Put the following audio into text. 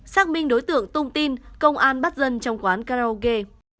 xác minh đối tượng tung tin công an bắt dân trong quán karaoke